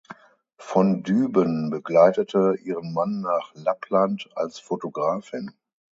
Von Düben begleitete ihren Mann nach Lappland als Fotografin.